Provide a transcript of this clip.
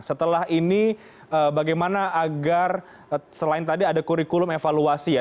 setelah ini bagaimana agar selain tadi ada kurikulum evaluasi ya